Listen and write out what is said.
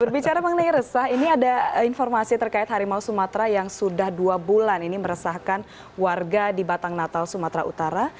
berbicara mengenai resah ini ada informasi terkait harimau sumatera yang sudah dua bulan ini meresahkan warga di batang natal sumatera utara